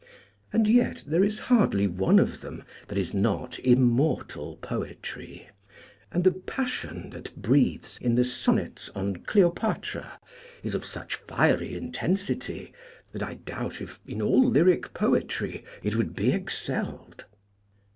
And yet there is hardly one of them that is not immortal poetry, and the passion that breathes in the sonnets on Cleopatra is of such fiery intensity that I doubt if in all lyric poetry it would be excelled.